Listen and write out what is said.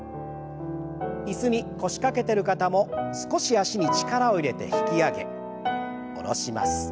椅子に腰掛けてる方も少し脚に力を入れて引き上げ下ろします。